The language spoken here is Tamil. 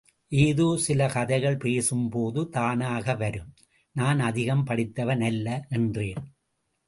ஏதோ சில கதைகள், பேசும்போது தானாக வரும், நான் அதிகம் படித்தவன் அல்ல, என்றேன்.